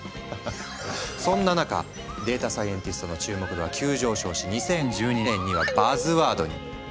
そんな中データサイエンティストの注目度は急上昇し２０１２年にはバズワードに。